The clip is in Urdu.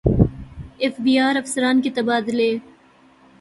ایف بی ار افسران کے تبادلے